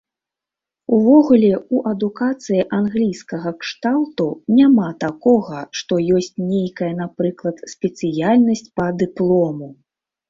Увогуле ў адукацыі англійскага кшталту няма такога, што ёсць нейкая, напрыклад, спецыяльнасць па дыплому.